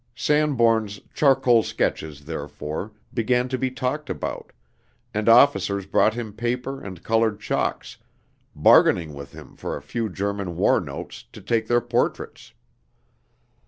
Sanbourne's charcoal sketches, therefore, began to be talked about; and officers brought him paper and colored chalks, bargaining with him for a few German war notes, to take their portraits.